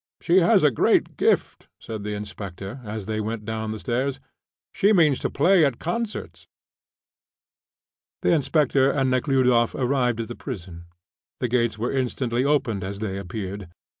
She has a great gift," said the inspector, as they went down the stairs. "She means to play at concerts." The inspector and Nekhludoff arrived at the prison. The gates were instantly opened as they appeared.